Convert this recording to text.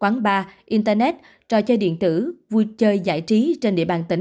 quán bar internet trò chơi điện tử vui chơi giải trí trên địa bàn tỉnh